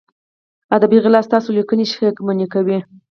ادبي غلا ستاسو لیکنې شکمنې کوي.